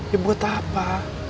ya buat apa